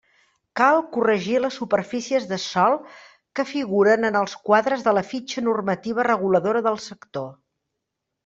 Cal corregir les superfícies de sòl que figuren en els quadres de la fitxa normativa reguladora del sector.